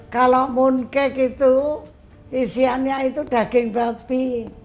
kalau mooncake itu isiannya itu daging babi